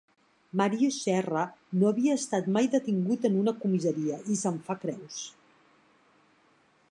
Màrius Serra no havia estat mai detingut en una comissaria i se'n fa creus.